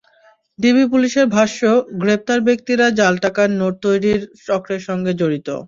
DB পুলিশের ভাষ্য, গ্রেপ্তার ব্যক্তিরা জাল টাকার নোট তৈরির চক্রের সঙ্গে জড়িত।